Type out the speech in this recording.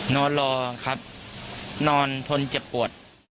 นอนรอครับนอนทนเจ็บปวด